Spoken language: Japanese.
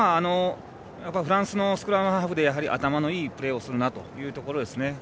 フランスのスクラムハーフで頭のいいプレーをするなというところです。